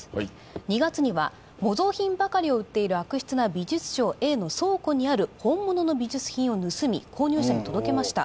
２月には模造品ばかりを売っている悪質な美術商Ａの倉庫にある本物の美術品を盗み購入者に届けました